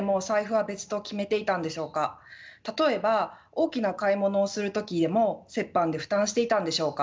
例えば大きな買い物をする時でも折半で負担していたんでしょうか？